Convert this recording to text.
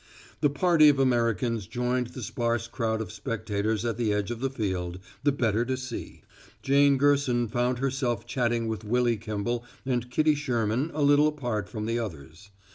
The party of Americans joined the sparse crowd of spectators at the edge of the field, the better to see. Jane Gerson found herself chatting with Willy Kimball and Kitty Sherman a little apart from the others.